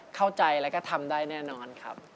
เข้าใจแล้วก็ทำได้แน่นอนครับ